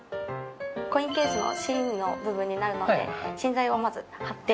コインケースの芯の部分になるので芯材をまず貼って。